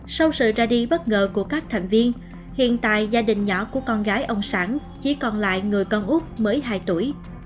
sau sự ra đi bất ngờ của các thành viên hiện tại gia đình nhỏ của con gái ông sản chỉ còn lại người con úc mới hai tuổi